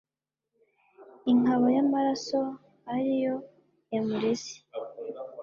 inkaba y'amaraso ar yo yamureze